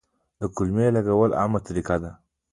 د قلمې لګول عامه طریقه ده.